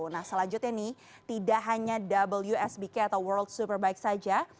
nah selanjutnya nih tidak hanya wsbk atau world superbike saja